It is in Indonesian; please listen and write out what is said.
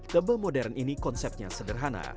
tebel modern ini konsepnya sederhana